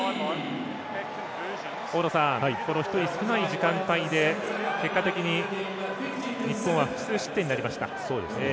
大野さん、１人少ない時間帯で結果的に日本は複数失点になりました。